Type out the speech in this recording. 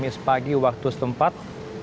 kami sepagi waktu setempat